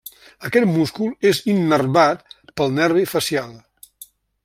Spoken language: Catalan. Aquest múscul és innervat pel nervi facial.